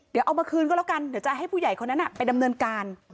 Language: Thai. เดี๋ยวเอามาคืนก็แล้วกันเดี๋ยวจะให้ผู้ใหญ่คนนั้นไปดำเนินการ